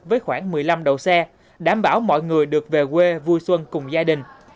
với khoảng một mươi năm đầu xe đảm bảo mọi người được về quê vui xuân cùng gia đình